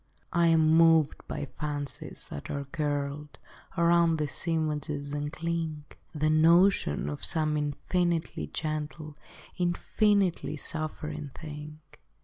I am moved by fancies that are curled Around these images, and cling: The notion of some infinitely gentle Infinitely suffering thing.